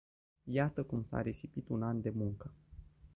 Iată cum s-a risipit un an de muncă.